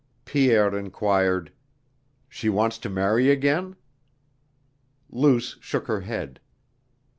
Pierre inquired: "She wants to marry again?" Luce shook her head.